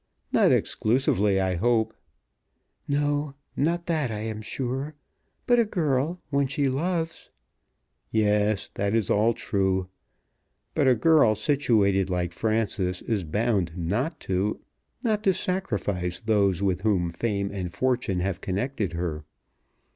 "Not exclusively, I hope." "No; not that I am sure. But a girl, when she loves " "Yes; that is all true. But a girl situated like Frances is bound not to, not to sacrifice those with whom Fame and Fortune have connected her.